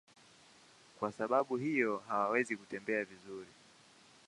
Kwa sababu hiyo hawawezi kutembea vizuri.